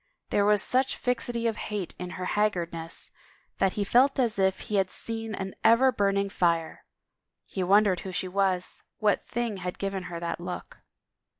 There was such fixity of hate in her haggardness that he felt as if he had seen an ever burn ing fire. He wondered who she was, what thing had given her that look.